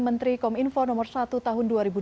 menteri kom info nomor satu tahun dua ribu dua puluh